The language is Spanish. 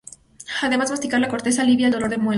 Además masticar la corteza alivia el dolor de muelas.